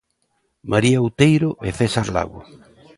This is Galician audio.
María Outeiro e César Lago.